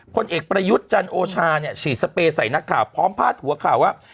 ผลเอกประยุทธ์จันโอชาเนี่ยฉีดสเปรย์ใส่นักข่าวพร้อมพาดหัวข่าวว่า